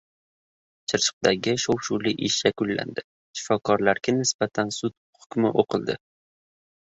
Chirchiqdagi «shov-shuvli ish» yakunlandi. Shifokorlarga nisbatan sud hukmi o‘qildi